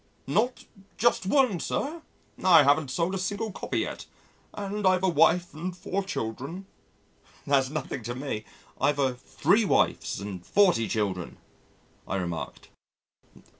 Not.... Just one sir: I haven't sold a single copy yet, and I've a wife and four children." "That's nothing to me I've three wives and forty children," I remarked.